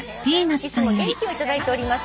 「いつも元気を頂いております。